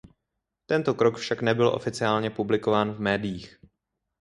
Tento krok však nebyl oficiálně publikován v médiích.